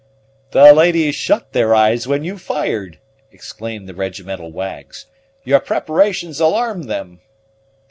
"The ladies shut their eyes when you fired!" exclaimed the regimental wags. "Your preparations alarmed them."